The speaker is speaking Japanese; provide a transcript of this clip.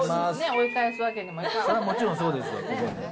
追い返すわけにもいかんもんね。